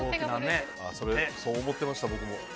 ◆そう思ってました、僕も。